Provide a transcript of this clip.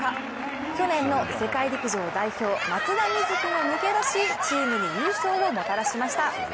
去年の世界陸上代表松田瑞生が抜けだし、チームに優勝をもたらしました。